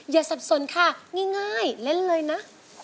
สับสนค่ะง่ายเล่นเลยนะ